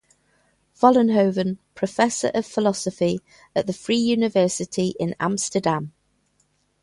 Vollenhoven, professor of philosophy at the Free University in Amsterdam.